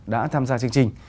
đã tham gia chương trình